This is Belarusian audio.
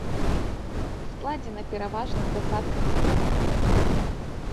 Складзена пераважна з асадкавых парод.